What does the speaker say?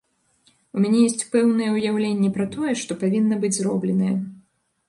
У мяне ёсць пэўнае ўяўленне пра тое, што павінна быць зробленае.